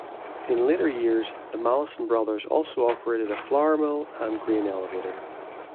In later years the Mallison Brothers also operated a flour mill and grain elevator.